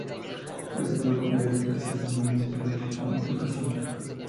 Fue el segundo convento que se fundó en ese país por Santo Jacinto.